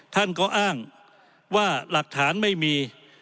ท่านก็อ้างว่าหลักฐานไม่มี